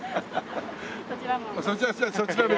そちらも。